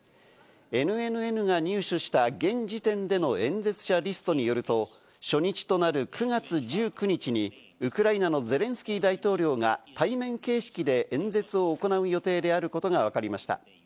ＮＮＮが入手した現時点での演説者リストによると、初日となる９月１９日にウクライナのゼレンスキー大統領が対面形式で演説を行う予定であることがわかりました。